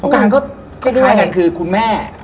ก็กลายเป็นคือคุณแม่